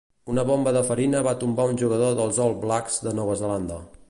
Una bomba de farina va tombar un jugador dels All Blacks de Nova Zelanda.